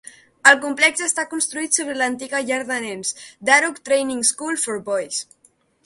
El complex està construït sobre l'antiga llar de nens Daruk Training School for Boys.